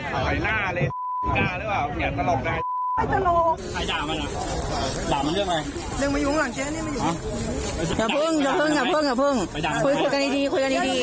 คุยกันอีกทีคุยกันอีกที